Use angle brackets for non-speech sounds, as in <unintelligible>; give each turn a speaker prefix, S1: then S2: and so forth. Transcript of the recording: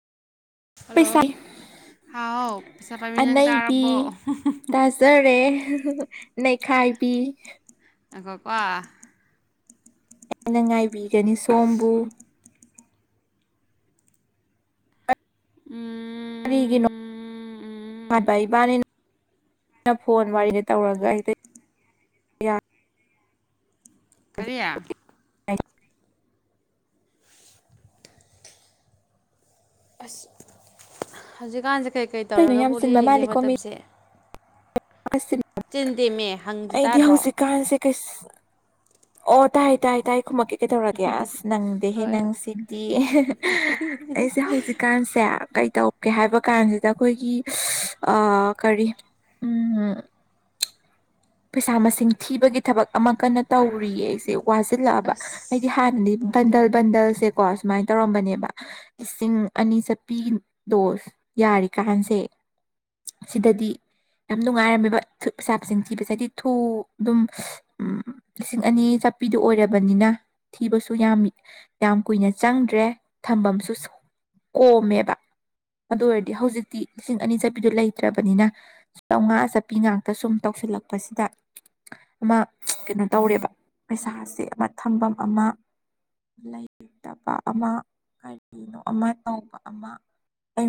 S1: hello
S2: ꯄꯩꯁꯥꯏ
S1: ꯍꯥꯎ ꯄꯩꯁꯥ ꯄꯥꯏꯕꯤ ꯅꯪ
S2: ꯑꯅꯩꯕꯤ
S1: ꯇꯥꯔꯕꯣ
S2: ꯇꯥꯖꯔꯦ ꯅꯩꯈꯥꯏꯕꯤ
S1: ꯉꯥꯏꯈꯣꯀꯣ
S2: ꯍꯦꯟꯅ ꯉꯥꯏꯕꯤꯒꯅꯤ ꯁꯣꯝꯕꯨ
S1: ꯎꯝ
S2: ꯀꯔꯤꯒꯤꯅꯣ
S1: ꯎꯝ
S2: ꯍꯥꯟꯕ ꯏꯕꯥꯅꯤꯅꯅ ꯐꯣꯟ ꯋꯥꯔꯤꯗ ꯇꯧꯔꯒ ꯍꯦꯛꯇꯥ
S1: ꯀꯔꯤ
S2: ꯇ <unintelligible>
S1: ꯑꯁ ꯍꯧꯖꯤꯛꯀꯥꯟꯁꯦ ꯀꯩ ꯀꯩ
S2: ꯀꯩꯅꯣ ꯌꯥꯝ
S1: ꯇꯧꯔꯒꯕꯨꯠ
S2: ꯆꯤꯟꯕ
S1: ꯂꯦꯜꯂꯤꯒꯦ
S2: ꯃꯥꯜꯂꯤꯀꯣ ꯃꯤ
S1: ꯃꯇꯝꯁꯦ ꯆꯤꯟ ꯇꯦꯝꯃꯦ ꯍꯪꯗꯤ
S2: ꯑꯩꯗꯤ
S1: ꯇꯥꯗ꯭ꯔꯣ
S2: ꯍꯧꯖꯤꯛꯀꯥꯟꯁꯦ ꯀꯩ ꯑꯣ ꯇꯥꯏ ꯇꯥꯏ ꯇꯥꯏ ꯈꯨꯝꯛꯑꯦ ꯀꯩꯗꯧꯔꯒꯦ ꯑꯁ ꯅꯪꯗꯦꯍꯦ
S1: ꯍꯣꯏ ꯍꯣꯏ
S2: ꯅꯪꯁꯤꯡꯗꯤ ꯑꯩꯁꯦ ꯍꯧꯖꯤꯛꯀꯥꯟꯁꯦ ꯀꯩꯇꯧ ꯀꯦ ꯍꯥꯏꯕ ꯀꯥꯟꯁꯤꯗ ꯑꯩꯈꯣꯏꯒꯤ ꯑꯥ ꯀꯔꯤ ꯎ ꯄꯩꯁꯥ ꯃꯁꯤꯡ ꯊꯤꯕꯒꯤ ꯊꯕꯛ ꯑꯃ ꯀꯟꯅ ꯇꯧꯔꯤꯌꯦ ꯑꯩꯁꯦ ꯋꯥꯁꯤꯜꯂꯛꯑꯕ
S1: ꯑꯁ
S2: ꯑꯩꯗꯤ ꯍꯥꯟꯅꯗꯤ ꯕꯟꯗꯜ
S1: ꯋꯥꯁꯤꯜꯂꯛꯑꯅꯤ
S2: ꯕꯟꯗꯜꯁꯦ ꯀꯣ ꯁꯨꯃꯥꯏꯅ ꯇꯧꯔꯝꯕꯅꯦꯕ ꯂꯤꯁꯤꯡ ꯑꯅꯤ ꯆꯠꯄꯤ ꯗꯣ ꯌꯥꯔꯤꯀꯥꯟꯁꯦ ꯁꯤꯗꯗꯤ ꯌꯥꯝ ꯅꯨꯡꯉꯥꯏꯔꯝꯃꯤꯕ ꯁꯥꯞꯁꯤꯡ ꯊꯤꯕꯁꯦ ꯍꯥꯏꯗꯤ ꯊꯨ ꯑꯗꯨꯝ ꯂꯤꯁꯤꯡ ꯑꯅꯤ ꯆꯠꯄꯤꯗꯨ ꯑꯣꯏꯔꯕꯅꯤꯅ ꯊꯤꯕꯁꯨ ꯌꯥꯝ ꯌꯥꯝ ꯀꯨꯏꯅ ꯆꯪꯗ꯭ꯔꯦ ꯊꯝꯐꯝꯁꯨ ꯀꯣꯝꯃꯦꯕ ꯑꯗꯨ ꯑꯣꯏꯔꯗꯤ ꯍꯧꯖꯤꯛꯇꯤ ꯂꯤꯁꯤꯡ ꯑꯅꯤ ꯆꯠꯄꯤꯗꯨꯣ ꯂꯩꯇ꯭ꯔꯕꯅꯤꯅ ꯆꯥꯝꯃꯉꯥ ꯆꯠꯄꯤ ꯉꯥꯛꯇ ꯁꯨꯝ ꯇꯧꯁꯤꯜꯂꯛꯄꯁꯤꯗ ꯑꯃ ꯀꯩꯅꯣ ꯇꯧꯔꯦꯕ ꯄꯩꯁꯥꯁꯦ ꯑꯃ ꯊꯝꯐꯝ ꯑꯃ ꯂꯩꯇꯕ ꯑꯃ ꯀꯔꯤꯅꯣ ꯑꯃ ꯇꯧꯕ ꯑꯃ ꯑꯩꯅ